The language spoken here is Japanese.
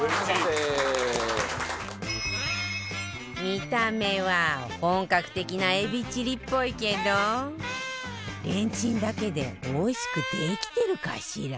見た目は本格的なエビチリっぽいけどレンチンだけでおいしくできてるかしら？